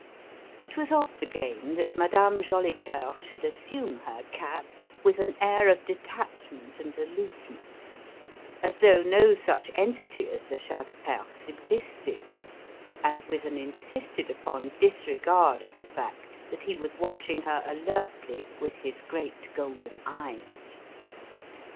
It was of the game that Madame Jolicoeur should assume her cap with an air of detachment and aloofness: as though no such entity as the Shah de Perse existed, and with an insisted upon disregard of the fact that he was watching her alertly with his great golden eyes.